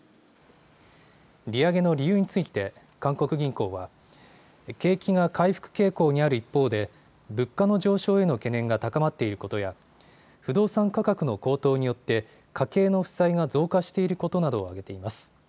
利上げの理由について、韓国銀行は、景気が回復傾向にある一方で、物価の上昇への懸念が高まっていることや、不動産価格の高騰によって、家計の負債が増加していることなどを挙げています。